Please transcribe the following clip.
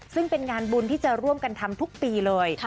ซึ่งเป็นงานบุญที่จะร่วมกันทำทุกปีเลย